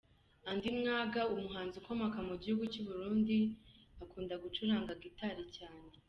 Andy Mwag umuhanzi ukomoka mu gihugu cy'u Burundi akunda gucuranga Guitar cyane.